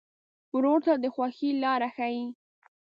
ورور ته د خوښۍ لاره ښيي.